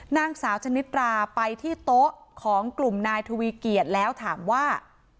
นางสาวชนิดราไปที่โต๊ะของกลุ่มนายทวีเกียจแล้วถามว่า